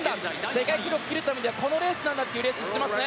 世界記録を切るためにはこのレースなんだというレースをしていますね。